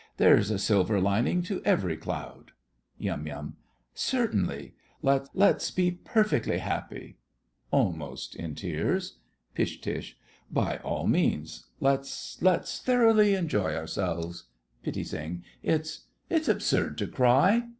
There's a silver lining to every cloud. YUM. Certainly. Let's—let's be perfectly happy! (Almost in tears.) GO TO. By all means. Let's—let's thoroughly enjoy ourselves. PITTI. It's—it's absurd to cry!